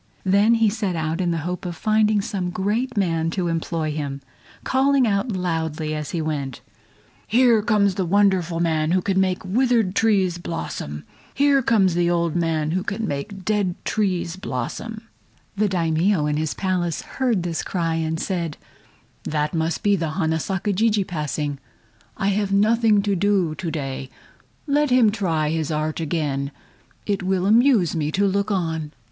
Then he set out in the hope of finding some great man to employ him, calling out loudly as he went along: "Here comes the wonderful man who can make withered trees blossom! Here comes the old man who can make dead trees blossom!" The Daimio in his Palace heard this cry, and said: "That must be the Hana Saka Jijii passing. I have nothing to do to day. Let him try his art again; it will amuse me to look on."